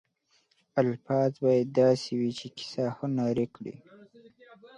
الفاظ باید داسې وي چې کیسه هنري کړي.